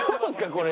これ。